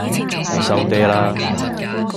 你收嗲啦